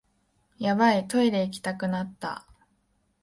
ヤバい、トイレ行きたくなった